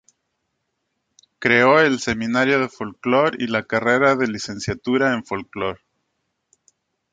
Creó el Seminario de Folklore y la Carrera de Licenciatura en Folklore.